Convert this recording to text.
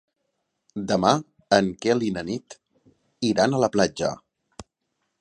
Demà en Quel i na Nit iran a la platja.